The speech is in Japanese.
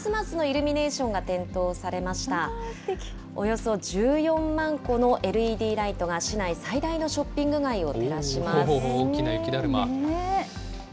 およそ１４万個のＬＥＤライトが、市内最大のショッピング街を照らします。